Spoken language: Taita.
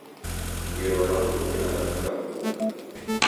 Ngelo ra mruke nadakunda kubung'a